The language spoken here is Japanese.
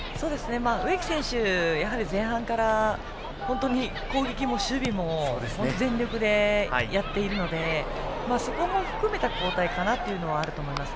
植木選手、前半から本当に攻撃も守備も全力でやっているのでそこも含めた交代はあると思います。